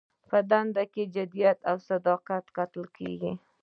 په دنده کې جدیت او صداقت کتل کیږي.